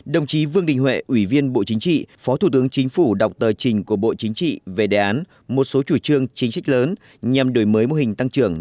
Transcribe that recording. đồng chí vương đình huệ ủy viên bộ chính trị phó thủ tướng chính phủ đọc tờ trình của bộ chính trị về đề án một số chủ trương chính sách lớn nhằm đổi mới mô hình tăng trưởng